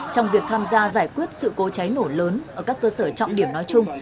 trong việc tham gia giải quyết sự cố cháy nổ lớn ở các cơ sở trọng điểm nói chung